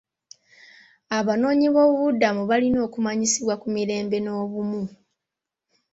Abanoonyiboobubudamu balina okumanyisibwa ku mirembe n'obumu.